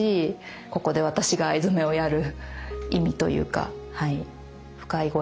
ここで私が藍染めをやる意味というか深いご縁を感じます。